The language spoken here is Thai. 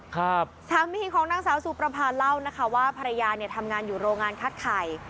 สามีของนางสาวสุประพาเล่านะคะว่าภรรยาเนี่ยทำงานอยู่โรงงานคัดไข่